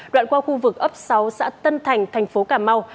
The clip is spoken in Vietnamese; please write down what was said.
đoạn qua khu vực ấp sáu xã tân thành thành phố cà mau